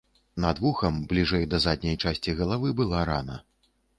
Над вухам, бліжэй да задняй часці галавы, была рана.